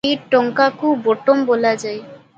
ଏହି ଟଙ୍କାକୁ ବଟମ ବୋଲାଯାଏ ।